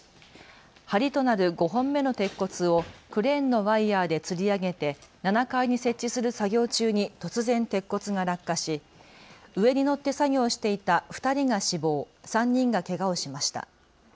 はりとなる５本目の鉄骨をクレーンのワイヤーでつり上げて７階に設置する作業中に突然、鉄骨が落下し上に乗って作業をしていた２人が死亡、３人がけがをしました。